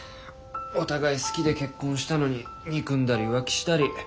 お互い好きで結婚したのに憎んだり浮気したり。